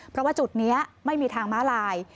เพราะว่าจุดนี้ไม่มีทางม้าลาย